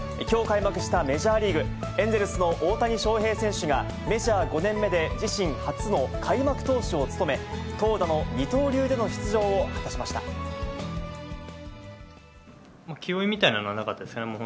きょう開幕したメジャーリーグ、エンゼルスの大谷翔平選手が、メジャー５年目で自身初の開幕投手を務め、投打の二刀流での出場気負いみたいのはなかったですね。